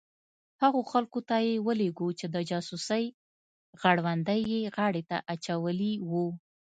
هغو خلکو ته یې ولېږو چې د جاسوسۍ غړوندی یې غاړې ته اچولي وو.